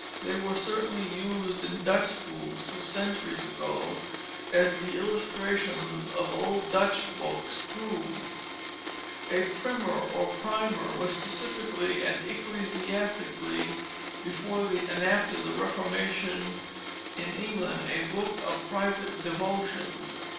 They were certainly used in Dutch schools, two centuries ago, as the illustrations of old Dutch books prove. [Illustration: "My New Battledore"] A prymer or primer was specifically and ecclesiastically before and after the Reformation in England a book of private devotions.